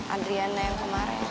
adriana yang kemarin